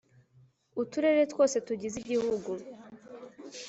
Uturere twose tugize Igihugu